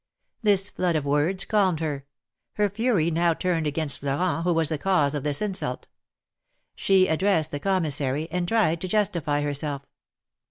This flood of words calmed her. Her fury now turned against Florent, who was the cause of this insult. She addressed the Commissary, and tried to justify herself.